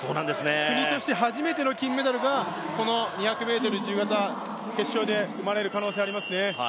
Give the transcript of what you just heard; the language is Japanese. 国として初めての金メダルがこの２００ｍ自由形決勝で生まれる可能性がありますね。